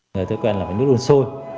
người thường quen là với nước đun sôi